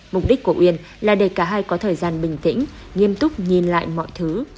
mục đích của uyên là để cả hai có thời gian bình tĩnh nghiêm túc nhìn lại mọi thứ